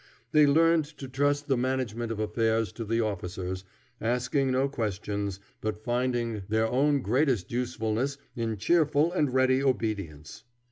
They learned to trust the management of affairs to the officers, asking no questions, but finding their own greatest usefulness in cheerful and ready obedience.